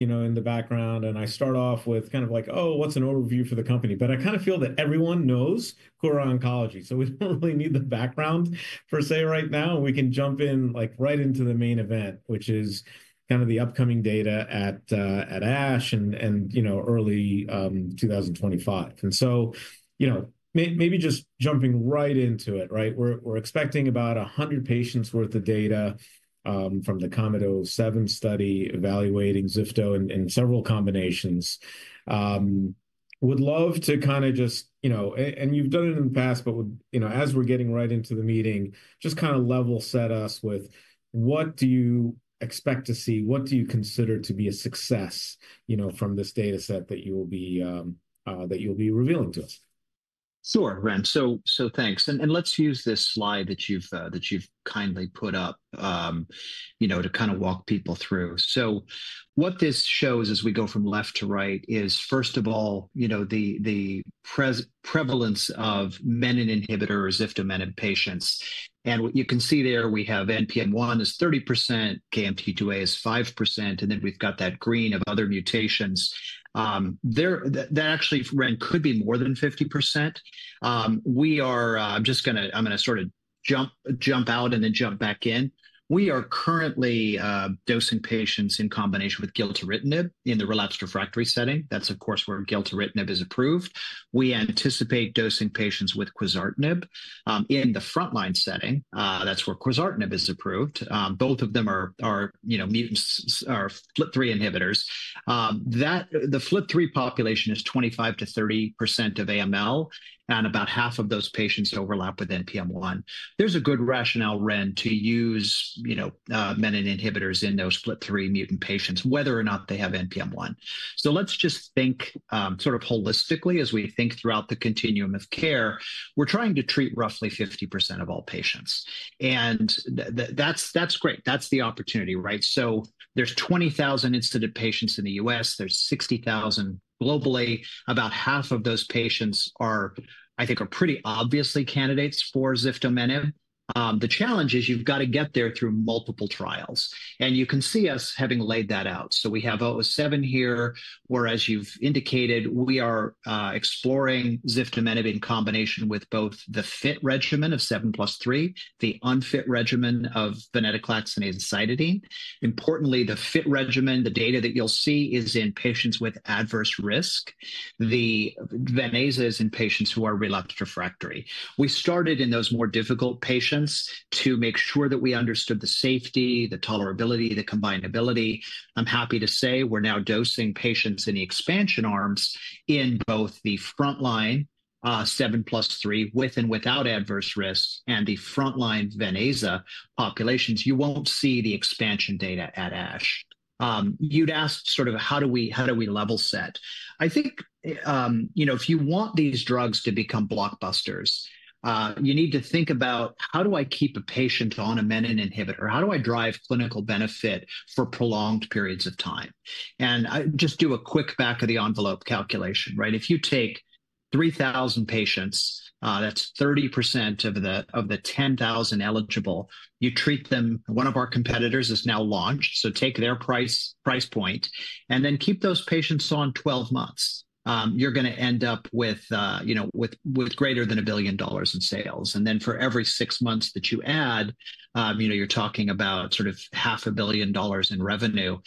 In the background, I start off with kind of like, oh, what's an overview for the company? But I kind of feel that everyone knows Kura Oncology, so we don't really need the background per se right now. We can jump in right into the main event, which is kind of the upcoming data at ASH and early 2025, and so maybe just jumping right into it, right? We're expecting about 100 patients' worth of data from the KOMET-007 study evaluating zifto and several combinations. Would love to kind of just, and you've done it in the past, but as we're getting right into the meeting, just kind of level set us with what do you expect to see? What do you consider to be a success from this data set that you'll be revealing to us? Sure, Ren. So, thanks. And let's use this slide that you've kindly put up to kind of walk people through. So what this shows as we go from left to right is, first of all, the prevalence of menin inhibitor on ziftomenib patients. And what you can see there, we have NPM1 is 30%, KMT2A is 5%, and then we've got that green of other mutations. That actually, Ren, could be more than 50%. I'm just going to sort of jump out and then jump back in. We are currently dosing patients in combination with gilteritinib in the relapsed refractory setting. That's, of course, where gilteritinib is approved. We anticipate dosing patients with quizartinib in the frontline setting. That's where quizartinib is approved. Both of them are FLT3 inhibitors. The FLT3 population is 25%-30% of AML, and about half of those patients overlap with NPM1. There's a good rationale, Ren, to use menin inhibitors in those FLT3 mutant patients, whether or not they have NPM1. So let's just think sort of holistically as we think throughout the continuum of care. We're trying to treat roughly 50% of all patients. And that's great. That's the opportunity, right? So there's 20,000 incident patients in the U.S. There's 60,000 globally. About half of those patients, I think, are pretty obviously candidates for ziftomenib. The challenge is you've got to get there through multiple trials. And you can see us having laid that out. So we have O7 here, whereas you've indicated we are exploring ziftomenib in combination with both the fit regimen of 7+3, the unfit regimen of venetoclax and azacitidine. Importantly, the fit regimen, the data that you'll see, is in patients with adverse risk. The Ven/Aza is in patients who are relapsed/refractory. We started in those more difficult patients to make sure that we understood the safety, the tolerability, the combinability. I'm happy to say we're now dosing patients in the expansion arms in both the frontline 7+3 with and without adverse risk and the frontline Ven/Aza populations. You won't see the expansion data at ASH. You'd ask sort of how do we level set. I think if you want these drugs to become blockbusters, you need to think about how do I keep a patient on a menin inhibitor? How do I drive clinical benefit for prolonged periods of time? And just do a quick back-of-the-envelope calculation, right? If you take 3,000 patients, that's 30% of the 10,000 eligible. You treat them. One of our competitors is now launched. So take their price point and then keep those patients on 12 months. You're going to end up with greater than $1 billion in sales. And then for every six months that you add, you're talking about sort of $500 million in revenue.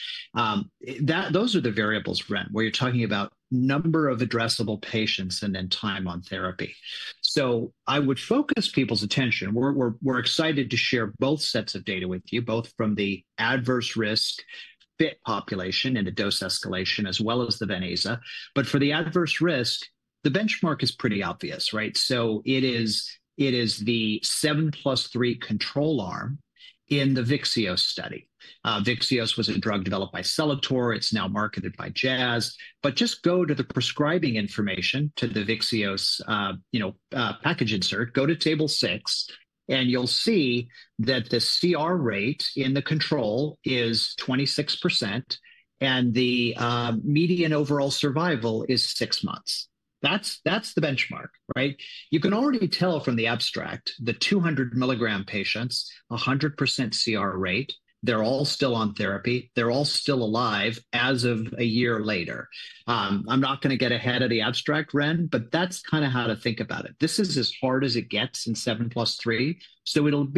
Those are the variables, Ren, where you're talking about number of addressable patients and then time on therapy. So I would focus people's attention. We're excited to share both sets of data with you, both from the adverse risk fit population and the dose escalation, as well as the Ven/Aza. But for the adverse risk, the benchmark is pretty obvious, right? So it is the 7+3 control arm in the Vyxeos study. Vyxeos was a drug developed by Celator. It's now marketed by Jazz. But just go to the prescribing information to the Vyxeos package insert. Go to table six, and you'll see that the CR rate in the control is 26%, and the median overall survival is six months. That's the benchmark, right? You can already tell from the abstract, the 200 milligram patients, 100% CR rate. They're all still on therapy. They're all still alive as of a year later. I'm not going to get ahead of the abstract, Ren, but that's kind of how to think about it. This is as hard as it gets in 7+3. So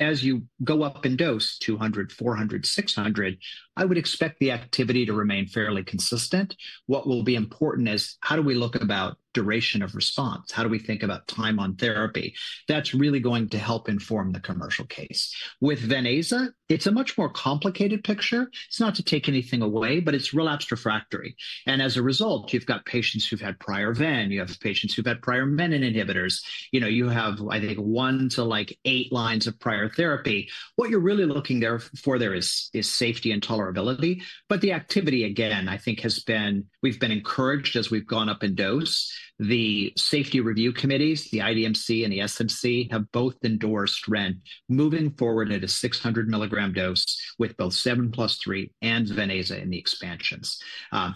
as you go up in dose, 200, 400, 600, I would expect the activity to remain fairly consistent. What will be important is how do we look about duration of response? How do we think about time on therapy? That's really going to help inform the commercial case. With Ven/Aza, it's a much more complicated picture. It's not to take anything away, but it's relapsed refractory. And as a result, you've got patients who've had prior Ven. You have patients who've had prior menin inhibitors. You have, I think, one to eight lines of prior therapy. What you're really looking for there is safety and tolerability. But the activity, again, I think has been we've been encouraged as we've gone up in dose. The safety review committees, the IDMC and the SMC, have both endorsed, Ren, moving forward at a 600 milligram dose with both 7+3 and Ven/Aza in the expansions.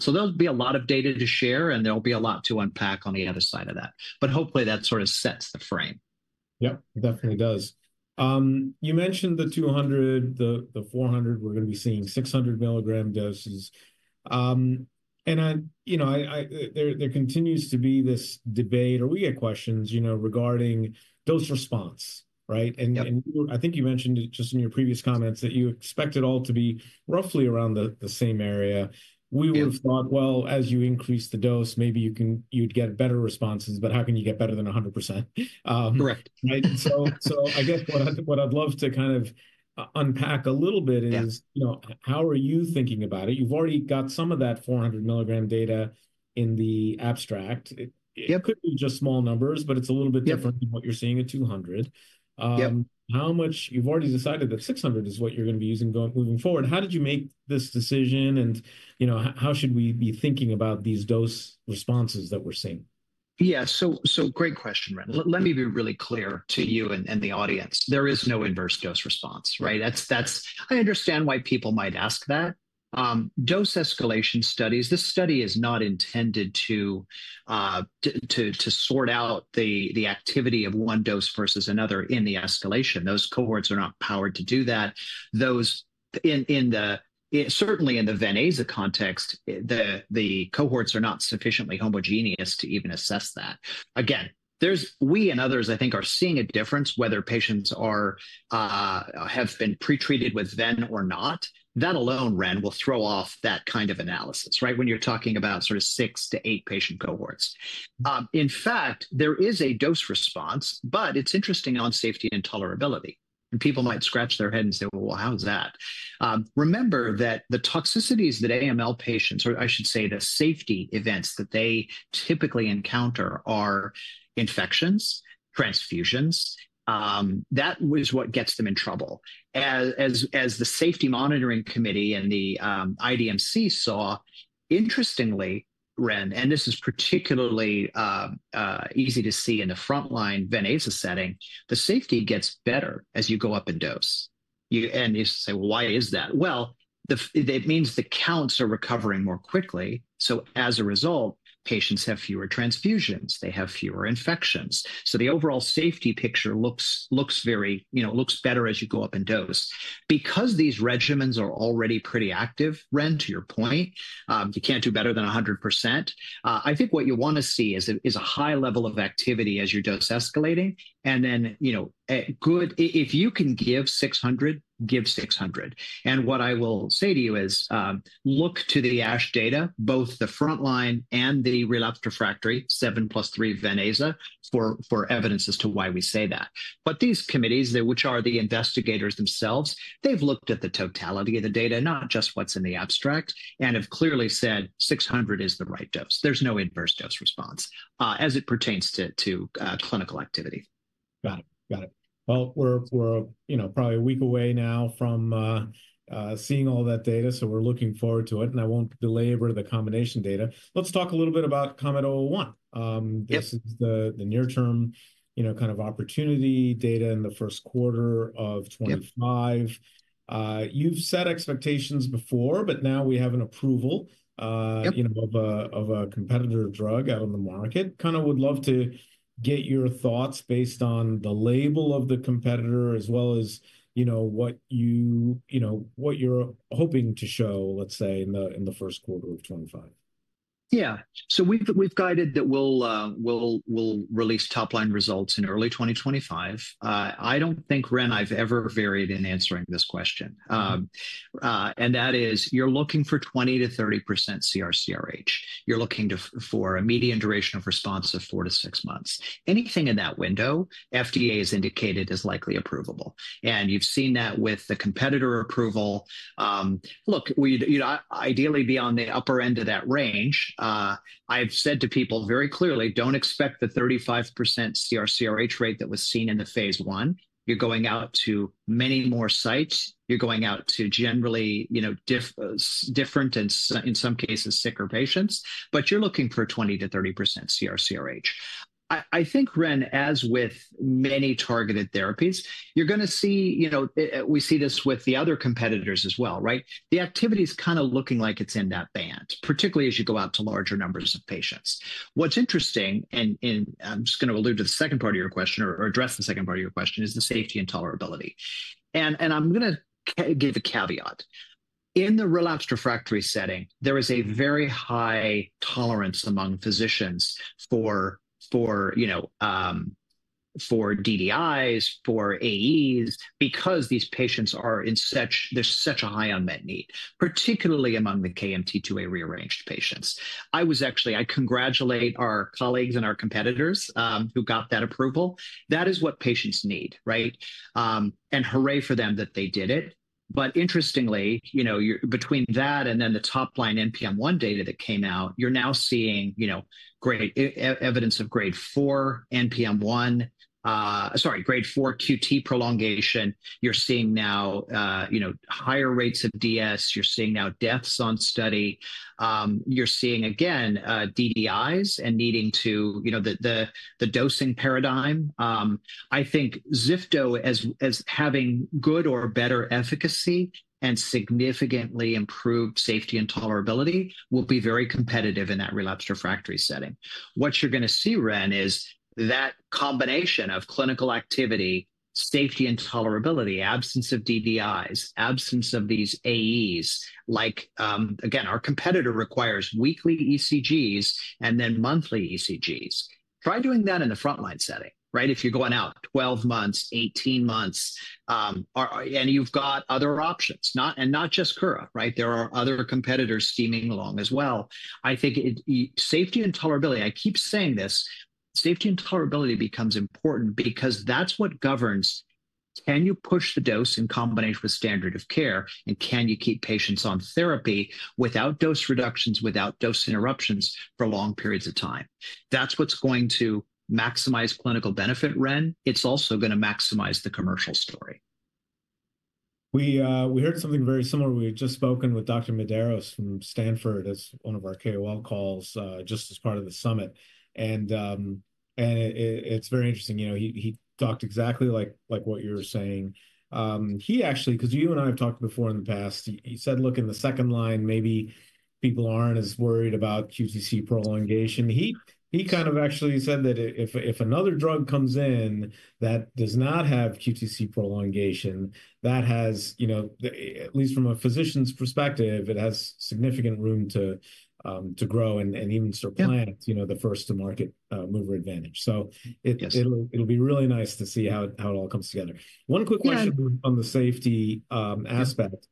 So there'll be a lot of data to share, and there'll be a lot to unpack on the other side of that. But hopefully, that sort of sets the frame. Yep, definitely does. You mentioned the 200, the 400, we're going to be seeing 600 milligram doses. And there continues to be this debate, or we get questions regarding dose response, right? And I think you mentioned it just in your previous comments that you expect it all to be roughly around the same area. We would have thought, well, as you increase the dose, maybe you'd get better responses, but how can you get better than 100%? Correct. Right? So I guess what I'd love to kind of unpack a little bit is how are you thinking about it? You've already got some of that 400 milligram data in the abstract. It could be just small numbers, but it's a little bit different than what you're seeing at 200. You've already decided that 600 is what you're going to be using moving forward. How did you make this decision? And how should we be thinking about these dose responses that we're seeing? Yeah, so great question, Ren. Let me be really clear to you and the audience. There is no inverse dose response, right? I understand why people might ask that. Dose escalation studies, this study is not intended to sort out the activity of one dose versus another in the escalation. Those cohorts are not powered to do that. Certainly in the Ven/Aza context, the cohorts are not sufficiently homogeneous to even assess that. Again, we and others, I think, are seeing a difference whether patients have been pretreated with Ven or not. That alone, Ren, will throw off that kind of analysis, right, when you're talking about sort of six to eight patient cohorts. In fact, there is a dose response, but it's interesting on safety and tolerability. People might scratch their head and say, "Well, how's that?" Remember that the toxicities that AML patients, or I should say the safety events that they typically encounter are infections, transfusions. That is what gets them in trouble. As the safety monitoring committee and the IDMC saw, interestingly, Ren, and this is particularly easy to see in the frontline Ven/Aza setting, the safety gets better as you go up in dose. You say, "Well, why is that?" It means the counts are recovering more quickly. So as a result, patients have fewer transfusions. They have fewer infections. So the overall safety picture looks better as you go up in dose. Because these regimens are already pretty active, Ren, to your point, you can't do better than 100%. I think what you want to see is a high level of activity as your dose is escalating. Then if you can give 600, give 600. What I will say to you is look to the ASH data, both the frontline and the relapsed/refractory 7+3 Ven/Aza for evidence as to why we say that. But these committees, which are the investigators themselves, have looked at the totality of the data, not just what's in the abstract, and have clearly said 600 is the right dose. There's no inverse dose-response as it pertains to clinical activity. Got it. Got it. Well, we're probably a week away now from seeing all that data, so we're looking forward to it, and I won't belabor the combination data. Let's talk a little bit about KOMET-001. This is the near-term kind of opportunity data in the first quarter of 2025. You've set expectations before, but now we have an approval of a competitor drug out on the market. Kind of would love to get your thoughts based on the label of the competitor as well as what you're hoping to show, let's say, in the first quarter of 2025. Yeah. So we've guided that we'll release top-line results in early 2025. I don't think, Ren, I've ever varied in answering this question. And that is you're looking for 20%-30% CR/CRh. You're looking for a median duration of response of four to six months. Anything in that window, FDA has indicated is likely approvable. And you've seen that with the competitor approval. Look, ideally, beyond the upper end of that range, I've said to people very clearly, don't expect the 35% CR/CRh rate that was seen in the phase one. You're going out to many more sites. You're going out to generally different and in some cases sicker patients, but you're looking for 20%-30% CR/CRh. I think, Ren, as with many targeted therapies, you're going to see we see this with the other competitors as well, right? The activity is kind of looking like it's in that band, particularly as you go out to larger numbers of patients. What's interesting, and I'm just going to allude to the second part of your question or address the second part of your question, is the safety and tolerability. I'm going to give a caveat. In the relapsed refractory setting, there is a very high tolerance among physicians for DDIs, for AEs because these patients are in such, there's such a high unmet need, particularly among the KMT2A rearranged patients. I congratulate our colleagues and our competitors who got that approval. That is what patients need, right? Hooray for them that they did it. Interestingly, between that and then the top-line NPM1 data that came out, you're now seeing evidence of grade 4 NPM1, sorry, grade 4 QT prolongation. You're seeing now higher rates of DS. You're seeing now deaths on study. You're seeing, again, DDIs and needing to alter the dosing paradigm. I think zifto, as having good or better efficacy and significantly improved safety and tolerability, will be very competitive in that relapsed refractory setting. What you're going to see, Ren, is that combination of clinical activity, safety and tolerability, absence of DDIs, absence of these AEs, like, again, our competitor requires weekly ECGs and then monthly ECGs. Try doing that in the frontline setting, right? If you're going out 12 months, 18 months, and you've got other options, and not just Kura, right? There are other competitors steaming along as well. I think safety and tolerability. I keep saying this, safety and tolerability becomes important because that's what governs, can you push the dose in combination with standard of care and can you keep patients on therapy without dose reductions, without dose interruptions for long periods of time. That's what's going to maximize clinical benefit, Ren. It's also going to maximize the commercial story. We heard something very similar. We had just spoken with Dr. Medeiros from Stanford as one of our KOL calls just as part of the summit. And it's very interesting. He talked exactly like what you were saying. Because you and I have talked before in the past, he said, "Look, in the second line, maybe people aren't as worried about QTc prolongation." He kind of actually said that if another drug comes in that does not have QTc prolongation, that has, at least from a physician's perspective, it has significant room to grow and even supplant the first-to-market mover advantage. So it'll be really nice to see how it all comes together. One quick question on the safety aspect.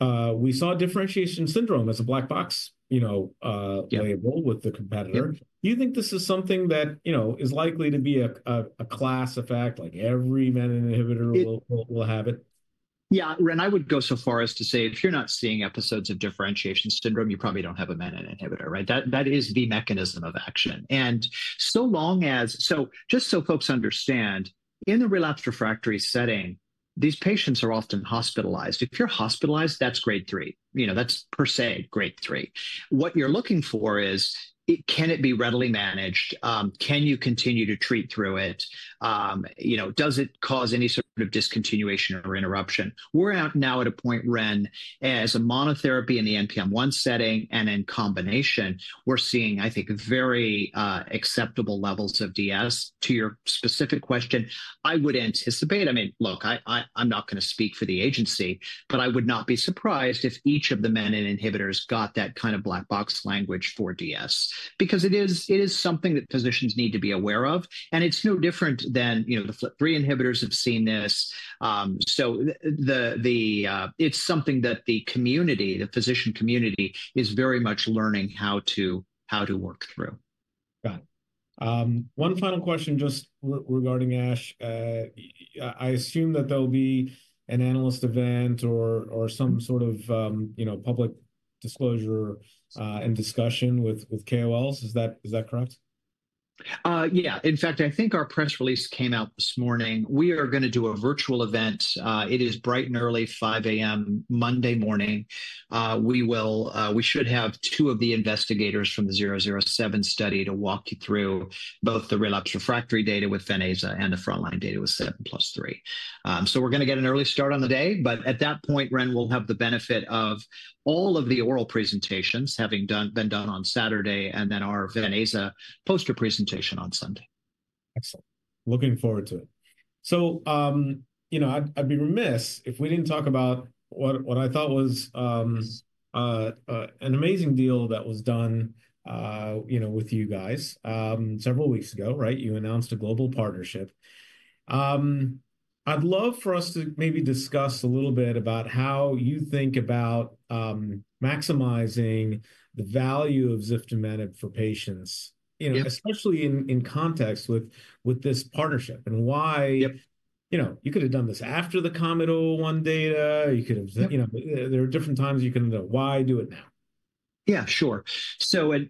We saw differentiation syndrome as a black box label with the competitor. Do you think this is something that is likely to be a class effect? Like every menin inhibitor will have it? Yeah, Ren, I would go so far as to say if you're not seeing episodes of differentiation syndrome, you probably don't have a menin inhibitor, right? That is the mechanism of action. And so long as, so just so folks understand, in the relapsed refractory setting, these patients are often hospitalized. If you're hospitalized, that's grade three. That's per se grade three. What you're looking for is can it be readily managed? Can you continue to treat through it? Does it cause any sort of discontinuation or interruption? We're out now at a point, Ren, as a monotherapy in the NPM1 setting and in combination, we're seeing, I think, very acceptable levels of DS. To your specific question, I would anticipate, I mean, look, I'm not going to speak for the agency, but I would not be surprised if each of the menin inhibitors got that kind of black box language for DS because it is something that physicians need to be aware of. And it's no different than the FLT3 inhibitors have seen this. So it's something that the community, the physician community, is very much learning how to work through. Got it. One final question just regarding ASH. I assume that there'll be an analyst event or some sort of public disclosure and discussion with KOLs. Is that correct? Yeah. In fact, I think our press release came out this morning. We are going to do a virtual event. It is bright and early 5:00 A.M. Monday morning. We should have two of the investigators from the 007 study to walk you through both the relapsed refractory data with Ven/Aza and the frontline data with 7+3. So we're going to get an early start on the day. But at that point, Ren, we'll have the benefit of all of the oral presentations having been done on Saturday and then our Ven/Aza poster presentation on Sunday. Excellent. Looking forward to it. So I'd be remiss if we didn't talk about what I thought was an amazing deal that was done with you guys several weeks ago, right? You announced a global partnership. I'd love for us to maybe discuss a little bit about how you think about maximizing the value of ziftomenib for patients, especially in context with this partnership and why you could have done this after the KOMET-001 data. There are different times you can do it. Why do it now? Yeah, sure.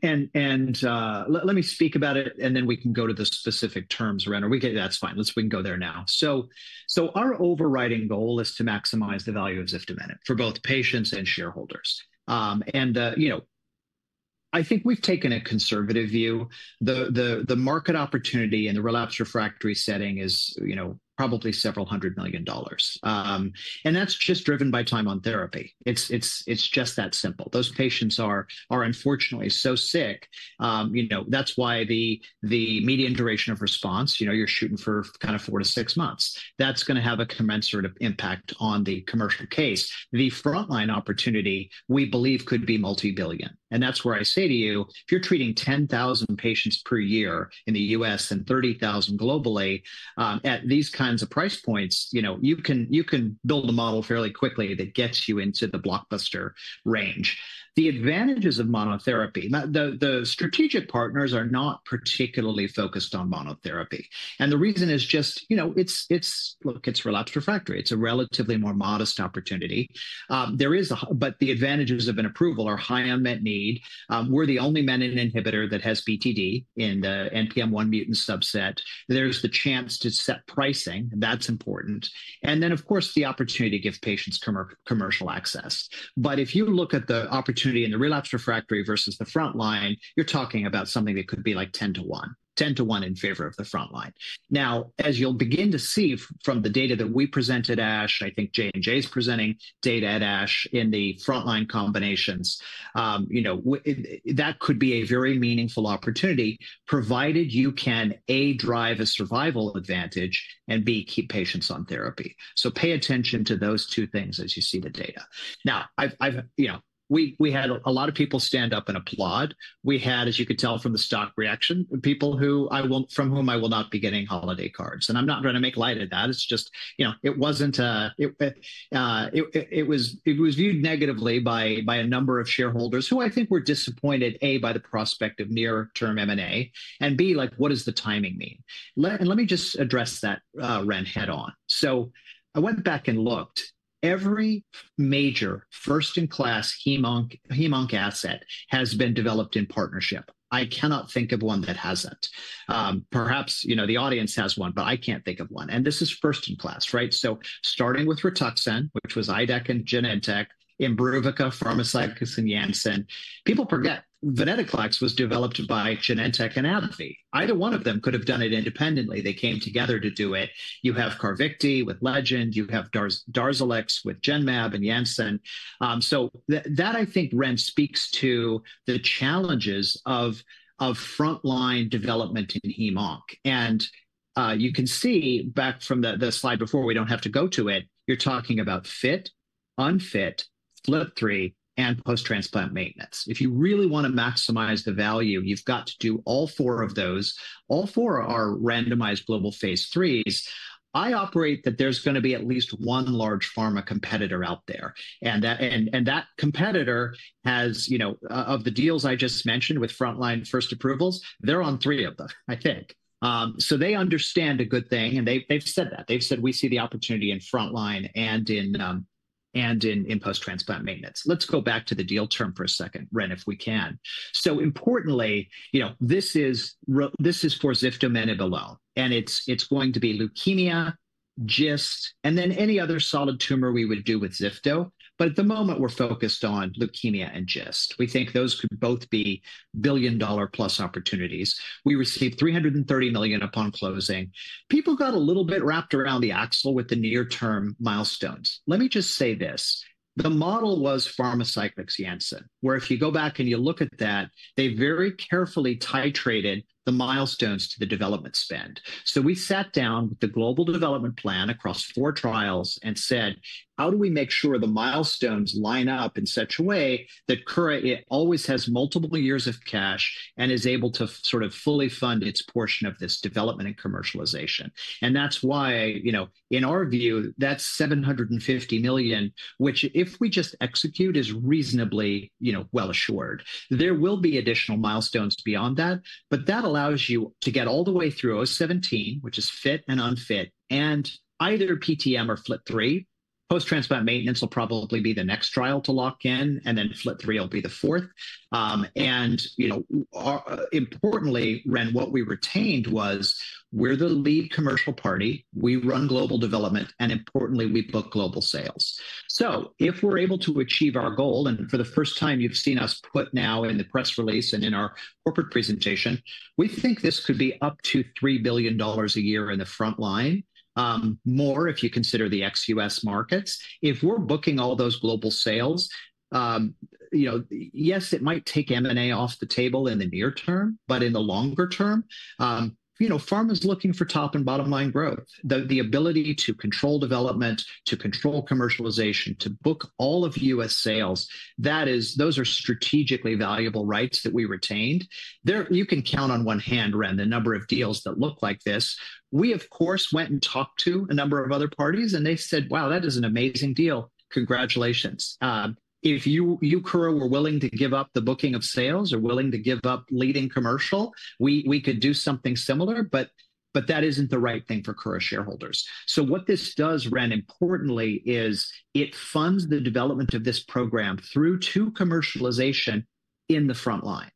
And let me speak about it, and then we can go to the specific terms, Ren, or that's fine. We can go there now. So our overriding goal is to maximize the value of ziftomenib for both patients and shareholders. And I think we've taken a conservative view. The market opportunity in the relapsed refractory setting is probably several hundred million dollars. And that's just driven by time on therapy. It's just that simple. Those patients are unfortunately so sick. That's why the median duration of response, you're shooting for kind of four to six months. That's going to have a commensurate impact on the commercial case. The frontline opportunity we believe could be multibillion. And that's where I say to you, if you're treating 10,000 patients per year in the U.S. and 30,000 globally, at these kinds of price points, you can build a model fairly quickly that gets you into the blockbuster range. The advantages of monotherapy, the strategic partners are not particularly focused on monotherapy. And the reason is just, look, it's relapsed refractory. It's a relatively more modest opportunity. But the advantages of an approval are high unmet need. We're the only menin inhibitor that has BTD in the NPM1 mutant subset. There's the chance to set pricing. That's important. And then, of course, the opportunity to give patients commercial access. But if you look at the opportunity in the relapsed refractory versus the frontline, you're talking about something that could be like 10 to 1, 10 to 1 in favor of the frontline. Now, as you'll begin to see from the data that we present at ASH, I think J&J is presenting data at ASH in the frontline combinations that could be a very meaningful opportunity provided you can A, drive a survival advantage and B, keep patients on therapy. So pay attention to those two things as you see the data. Now, we had a lot of people stand up and applaud. We had, as you could tell from the stock reaction, people from whom I will not be getting holiday cards. And I'm not trying to make light of that. It's just, it wasn't. It was viewed negatively by a number of shareholders who I think were disappointed, A, by the prospect of near-term M&A, and B, like, what does the timing mean? And let me just address that, Ren, head on. So I went back and looked. Every major first-in-class HemOnc asset has been developed in partnership. I cannot think of one that hasn't. Perhaps the audience has one, but I can't think of one. This is first-in-class, right? Starting with Rituxan, which was IDEC and Genentech, Imbruvica, Pharmacyclics, and Janssen, people forget venetoclax was developed by Genentech and AbbVie. Either one of them could have done it independently. They came together to do it. You have Carvykti with Legend. You have Darzalex with Genmab and Janssen. That, I think, Ren, speaks to the challenges of frontline development in HemOnc. You can see back from the slide before. We don't have to go to it. You're talking about fit, unfit, FLT3, and post-transplant maintenance. If you really want to maximize the value, you've got to do all four of those. All four are randomized global phase threes. I operate that there's going to be at least one large pharma competitor out there. And that competitor, of the deals I just mentioned with frontline first approvals, they're on three of them, I think. So they understand a good thing. And they've said that. They've said, "We see the opportunity in frontline and in post-transplant maintenance." Let's go back to the deal term for a second, Ren, if we can. So importantly, this is for ziftomenib alone. And it's going to be leukemia, GIST, and then any other solid tumor we would do with zifto, but at the moment, we're focused on leukemia and GIST. We think those could both be billion-dollar-plus opportunities. We received $330 million upon closing. People got a little bit wrapped around the axle with the near-term milestones. Let me just say this. The model was Pharmacyclics, Janssen, where if you go back and you look at that, they very carefully titrated the milestones to the development spend. So we sat down with the global development plan across four trials and said, "How do we make sure the milestones line up in such a way that Kura always has multiple years of cash and is able to sort of fully fund its portion of this development and commercialization?" And that's why, in our view, that's $750 million, which if we just execute is reasonably well assured. There will be additional milestones beyond that, but that allows you to get all the way through O17, which is fit and unfit, and either PTM or FLT3. Post-transplant maintenance will probably be the next trial to lock in, and then FLT3 will be the fourth. Importantly, Ren, what we retained was we're the lead commercial party. We run global development, and importantly, we book global sales. If we're able to achieve our goal, and for the first time, you've seen us put now in the press release and in our corporate presentation, we think this could be up to $3 billion a year in the frontline, more if you consider the ex-U.S. markets. If we're booking all those global sales, yes, it might take M&A off the table in the near term, but in the longer term, pharma is looking for top and bottom line growth, the ability to control development, to control commercialization, to book all of U.S. sales. Those are strategically valuable rights that we retained. You can count on one hand, Ren, the number of deals that look like this. We, of course, went and talked to a number of other parties, and they said, "Wow, that is an amazing deal. Congratulations." If you, Kura, were willing to give up the booking of sales or willing to give up leading commercial, we could do something similar, but that isn't the right thing for Kura shareholders. So what this does, Ren, importantly, is it funds the development of this program through to commercialization in the frontline.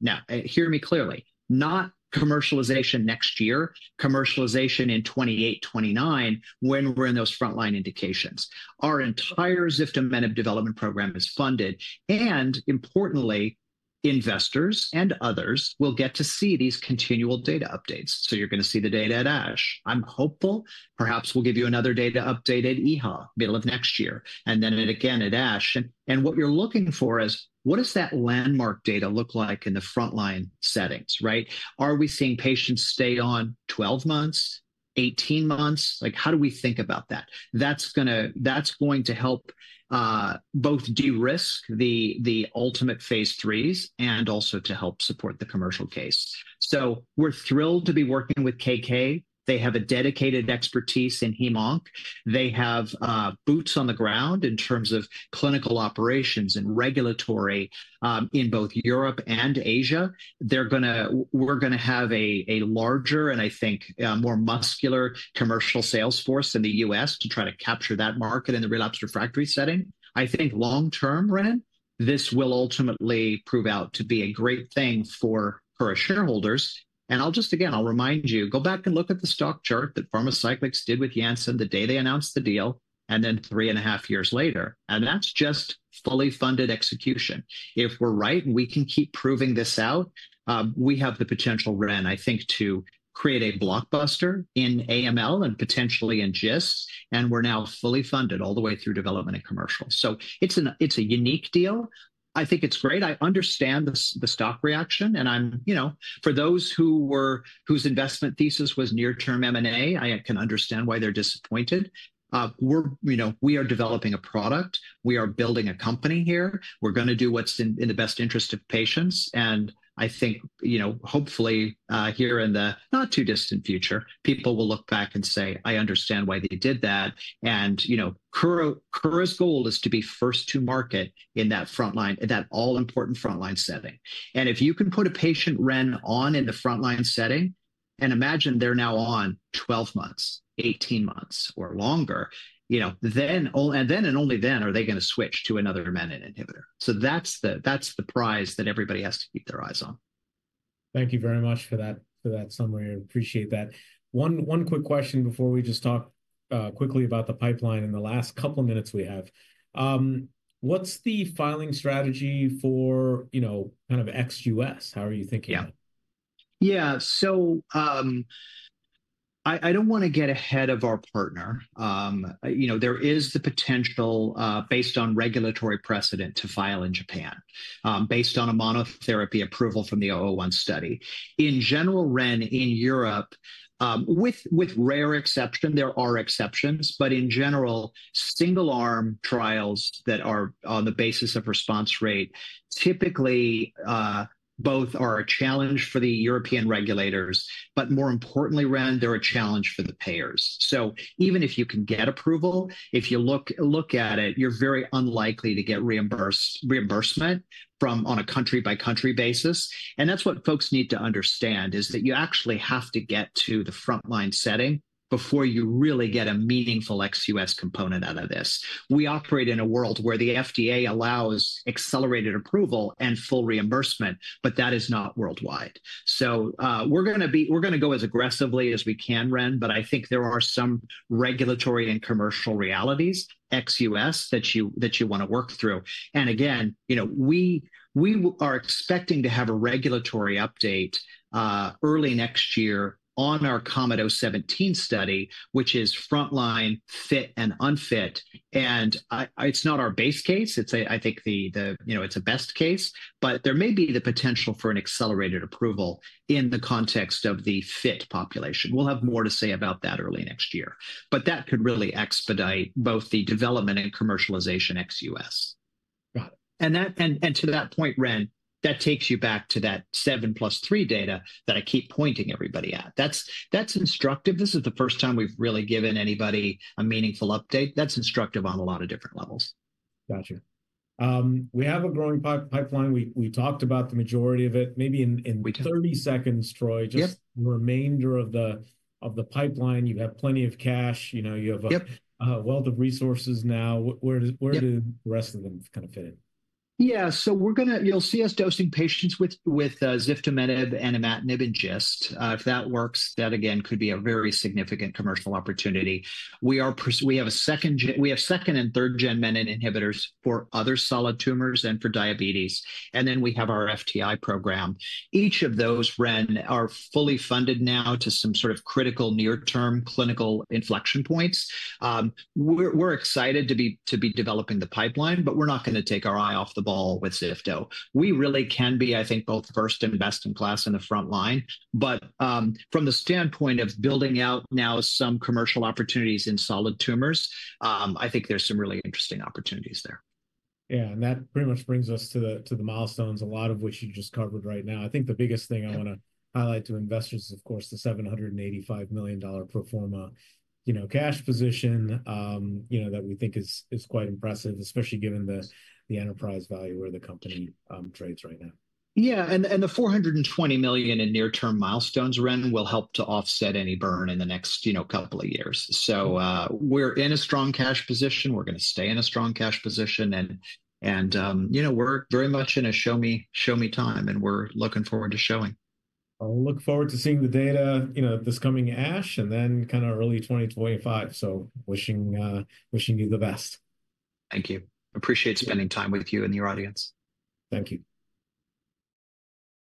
Now, hear me clearly. Not commercialization next year, commercialization in 2028, 2029 when we're in those frontline indications. Our entire ziftomenib development program is funded. And importantly, investors and others will get to see these continual data updates. So you're going to see the data at ASH. I'm hopeful perhaps we'll give you another data update at EHA middle of next year and then again at ASH. What you're looking for is what does that landmark data look like in the frontline settings, right? Are we seeing patients stay on 12 months, 18 months? How do we think about that? That's going to help both de-risk the ultimate phase 3s and also to help support the commercial case. We're thrilled to be working with KK. They have a dedicated expertise in HemOnc. They have boots on the ground in terms of clinical operations and regulatory in both Europe and Asia. We're going to have a larger and I think more muscular commercial sales force in the U.S. to try to capture that market in the relapsed refractory setting. I think long term, Ren, this will ultimately prove out to be a great thing for Kura shareholders. Again, I'll remind you, go back and look at the stock chart that Pharmacyclics did with Janssen the day they announced the deal and then three and a half years later. And that's just fully funded execution. If we're right and we can keep proving this out, we have the potential, Ren, I think, to create a blockbuster in AML and potentially in GIST, and we're now fully funded all the way through development and commercial. So it's a unique deal. I think it's great. I understand the stock reaction. And for those whose investment thesis was near-term M&A, I can understand why they're disappointed. We are developing a product. We are building a company here. We're going to do what's in the best interest of patients. And I think hopefully here in the not too distant future, people will look back and say, "I understand why they did that." And Kura's goal is to be first to market in that frontline, in that all-important frontline setting. And if you can put a patient, Ren, on in the frontline setting and imagine they're now on 12 months, 18 months, or longer, then and only then are they going to switch to another menin inhibitor. So that's the prize that everybody has to keep their eyes on. Thank you very much for that summary. I appreciate that. One quick question before we just talk quickly about the pipeline in the last couple of minutes we have. What's the filing strategy for kind of ex-US? How are you thinking? Yeah. So I don't want to get ahead of our partner. There is the potential based on regulatory precedent to file in Japan based on a monotherapy approval from the 001 study. In general, Ren, in Europe, with rare exceptions, there are exceptions, but in general, single-arm trials that are on the basis of response rate typically both are a challenge for the European regulators, but more importantly, Ren, they're a challenge for the payers. So even if you can get approval, if you look at it, you're very unlikely to get reimbursement on a country-by-country basis. And that's what folks need to understand is that you actually have to get to the frontline setting before you really get a meaningful ex-US component out of this. We operate in a world where the FDA allows accelerated approval and full reimbursement, but that is not worldwide. So we're going to go as aggressively as we can, Ren, but I think there are some regulatory and commercial realities ex-US that you want to work through. And again, we are expecting to have a regulatory update early next year on our KOMET-0017 study, which is frontline, fit, and unfit. And it's not our base case. I think it's a best case, but there may be the potential for an accelerated approval in the context of the fit population. We'll have more to say about that early next year, but that could really expedite both the development and commercialization ex-US. Got it. To that point, Ren, that takes you back to that 7+3 data that I keep pointing everybody at. That's instructive. This is the first time we've really given anybody a meaningful update. That's instructive on a lot of different levels. Gotcha. We have a growing pipeline. We talked about the majority of it. Maybe in 30 seconds, Troy, just the remainder of the pipeline. You have plenty of cash. You have a wealth of resources now. Where do the rest of them kind of fit in? Yeah. So you'll see us dosing patients with ziftomenib and imatinib and GIST. If that works, that again could be a very significant commercial opportunity. We have a second- and third-gen menin inhibitors for other solid tumors and for diabetes. And then we have our FTI program. Each of those, Ren, are fully funded now to some sort of critical near-term clinical inflection points. We're excited to be developing the pipeline, but we're not going to take our eye off the ball with zifto. We really can be, I think, both first and best in class in the frontline. But from the standpoint of building out now some commercial opportunities in solid tumors, I think there's some really interesting opportunities there. Yeah, and that pretty much brings us to the milestones, a lot of which you just covered right now. I think the biggest thing I want to highlight to investors is, of course, the $785 million pro forma cash position that we think is quite impressive, especially given the enterprise value where the company trades right now. Yeah. And the $420 million in near-term milestones, Ren, will help to offset any burn in the next couple of years. So we're in a strong cash position. We're going to stay in a strong cash position. And we're very much in a show-me time, and we're looking forward to showing. I'll look forward to seeing the data this coming ASH and then kind of early 2025, so wishing you the best. Thank you. Appreciate spending time with you and your audience. Thank you.